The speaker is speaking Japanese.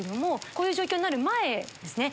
こういう状況になる前ですね。